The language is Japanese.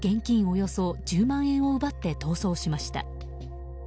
およそ１０万円を奪って逃走しました。